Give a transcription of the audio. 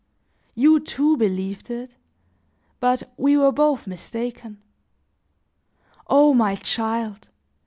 You, too, believed it, but we were both mistaken. O my child!